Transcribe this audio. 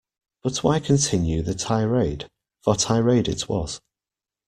But why continue the tirade, for tirade it was.